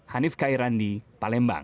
hanif kairandi palembang